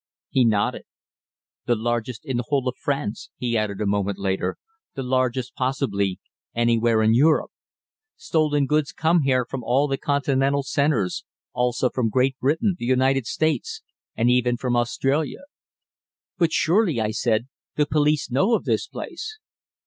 He nodded. "The largest in the whole of France" he added a moment later, "the largest, possibly, anywhere in Europe. Stolen goods come here from all the Continental centres; also from Great Britain, the United States, and even from Australia." "But surely," I said, "the police know of this place?"